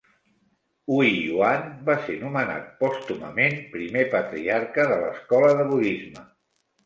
Huiyuan va ser nomenat pòstumament primer Patriarca de l'escola de budisme.